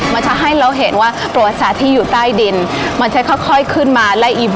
มันจะให้เราเห็นว่าประวัติศาสตร์ที่อยู่ใต้ดินมันจะค่อยขึ้นมาและอิ่ม